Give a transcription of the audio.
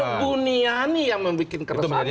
karena buniani yang membuat keresahan